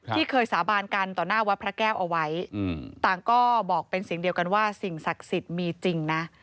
ที่เคยสาบานกันต่อหน้าวัดพระแก้วเอาไว้ต่างก็บอกเป็นเสียงเดียวกันว่าสิ่งศักดิ์สิทธิ์มีจริงนะ